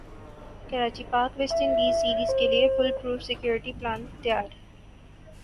Karachi Pak West Indies series کیلئے foolproof security plan تیار